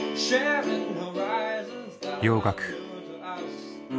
洋楽。